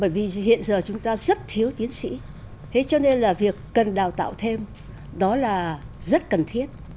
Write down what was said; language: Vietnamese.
việc cần đào tạo thêm đó là rất cần thiết